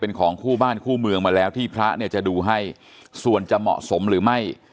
เป็นของคู่บ้านคู่เมืองมาแล้วที่พระเนี่ยจะดูให้ส่วนจะเหมาะสมหรือไม่